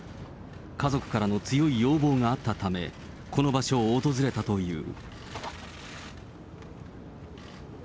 家族からの強い要望があったため、この場所を訪れたという。